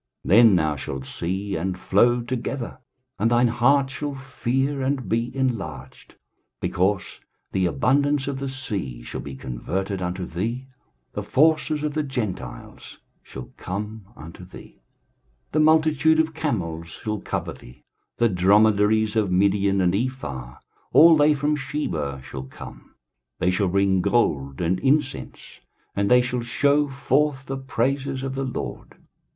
23:060:005 Then thou shalt see, and flow together, and thine heart shall fear, and be enlarged; because the abundance of the sea shall be converted unto thee, the forces of the Gentiles shall come unto thee. 23:060:006 The multitude of camels shall cover thee, the dromedaries of Midian and Ephah; all they from Sheba shall come: they shall bring gold and incense; and they shall shew forth the praises of the LORD.